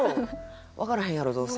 「分からへんやろどうせ」。